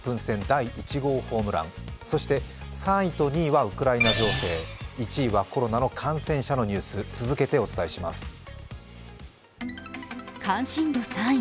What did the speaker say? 第１号ホームラン、そして、３位と２位はウクライナ情勢１位はコロナの感染者のニュース続けてお伝えします。